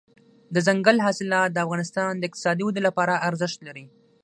دځنګل حاصلات د افغانستان د اقتصادي ودې لپاره ارزښت لري.